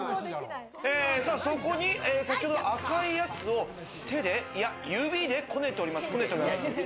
さぁ、そこに先程の赤いやつを手で、いや指でこねております。